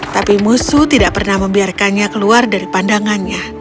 tapi musuh tidak pernah membiarkannya keluar dari pandangannya